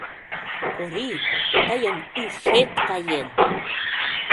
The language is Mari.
Корий, тыйын ушет каен!